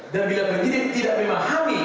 dan bila berdiri tidak memahami